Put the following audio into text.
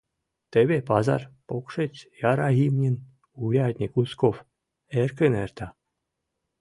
Теве пазар покшеч яра имньын урядник Узков эркын эрта.